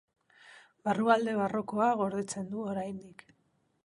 Barrualde barrokoa gordetzen du oraindik.